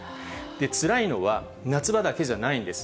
つらいのは、夏場だけじゃないんです。